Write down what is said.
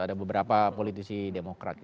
ada beberapa politisi demokrat